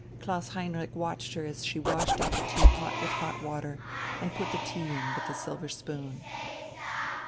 Klaus Heinrich watched her as she washed out the tea pot with hot water and put the tea in with a silver spoon.